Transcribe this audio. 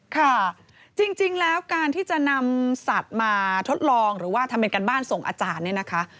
ค่ะจริงแล้วการที่จะนำสัตว์มาทดลองหรือว่าทำเป็นการบ้านส่งอาจารย์เนี่ยนะคะ